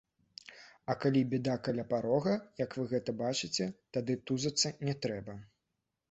А калі бяда каля парога, як вы гэта бачыце, тады тузацца не трэба.